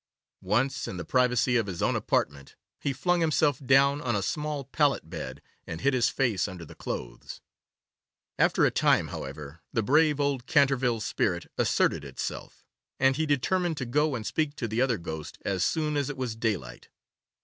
Once in the privacy of his own apartment, he flung himself down on a small pallet bed, and hid his face under the clothes. After a time, however, the brave old Canterville spirit asserted itself, and he determined to go and speak to the other ghost as soon as it was daylight.